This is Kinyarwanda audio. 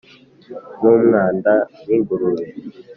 nkumwanda nk'ingurube